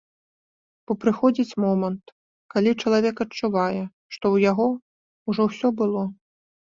Бо прыходзіць момант, калі чалавек адчувае, што ў яго ўжо ўсё было.